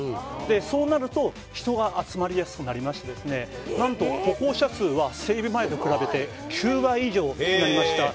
そうなると、人が集まりやすくなりまして、なんと歩行者数は、整備前と比べて９倍以上増えました。